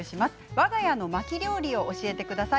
わが家の巻き料理を教えてください。